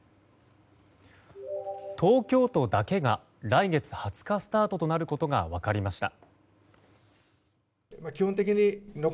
東京都だけが来月２０日スタートとなることが分かりました。